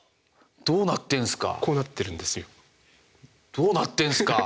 どうなってんすか。